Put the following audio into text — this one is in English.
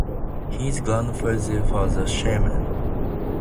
His grandfather was a shaman.